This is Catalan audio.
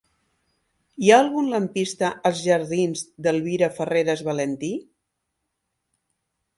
Hi ha algun lampista a la jardins d'Elvira Farreras Valentí?